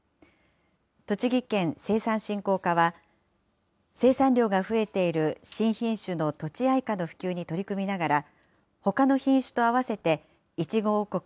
栃木県生産振興課は、生産量が増えている新品種のとちあいかの普及に取り組みながら、ほかの品種と合わせて、いちご王国